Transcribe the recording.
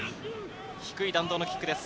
低い弾道のキックです。